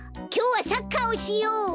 きょうはサッカーをしよう！